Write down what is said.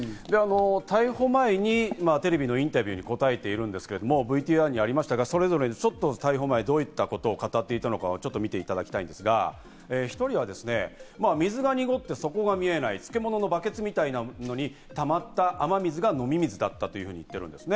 逮捕前にテレビのインタビューに答えているんですけど、ＶＴＲにありましたが、それぞれ逮捕前どういったことを語っていたのか見ていただきたいんですが、１人は水が濁って底が見えない漬物のバケツみたいなのにたまった雨水が飲み水だったと言っています。